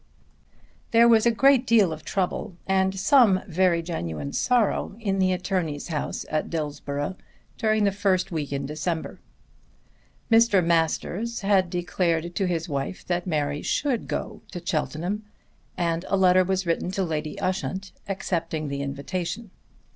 There was a great deal of trouble and some very genuine sorrow in the attorney's house at Dillsborough during the first week in December. Mr. Masters had declared to his wife that Mary should go to Cheltenham and a letter was written to Lady Ushant accepting the invitation.